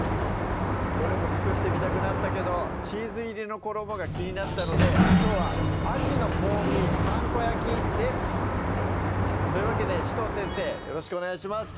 どれも作ってみたくなったけどチーズ入りの衣が気になったのできょうは「アジの香味パン粉焼き」ですというわけで紫藤先生よろしくお願いします